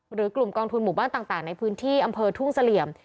หรือกลุ่มกองทุนหมู่บ้านต่างในพื้นที่อำเภอทุ่งเสลี่ยม